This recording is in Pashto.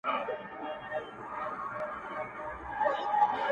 شرنګ د بنګړو د پایل شور وو اوس به وي او کنه.!